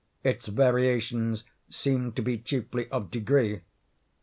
Its variations seem to be chiefly of degree.